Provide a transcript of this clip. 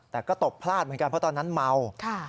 แต่ก็ตบพลาดเหมือนกันเพราะตอนนั้นเมา